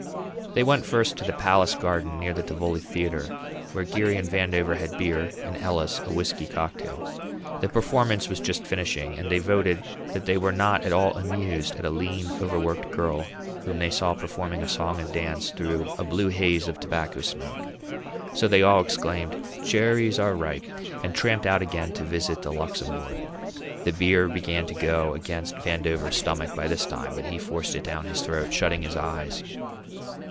They went first to the Palace Garden near the Tivoli Theatre, where Geary and Vandover had beer and Ellis a whisky cocktail. The performance was just finishing, and they voted that they were not at all amused at a lean, overworked girl whom they saw performing a song and dance through a blue haze of tobacco smoke; so they all exclaimed, "Cherries are ripe!" and tramped out again to visit the Luxembourg. The beer began to go against Vandover's stomach by this time, but he forced it down his throat, shutting his eyes.